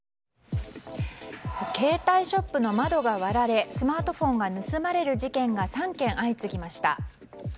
携帯ショップの窓が割られスマートフォンが盗まれる事件が３件相次ぎました。